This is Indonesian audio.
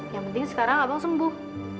yang penting sekarang abang sembuh